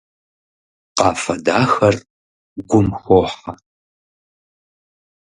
Къафэ дахэр гум хохьэ.